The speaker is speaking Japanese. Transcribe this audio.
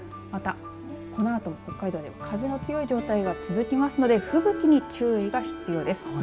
また、このあとも北海道では風が強い状態が続きますので吹雪に注意が必要です。